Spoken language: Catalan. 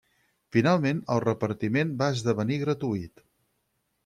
Finalment el repartiment va esdevenir gratuït.